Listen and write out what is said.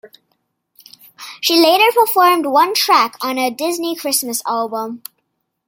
She later performed one track on a Disney Christmas album.